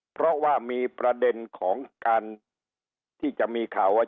เพราะว่ามีประเด็นของการที่จะมีข่าวไว้